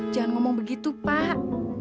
jangan ngomong begitu pak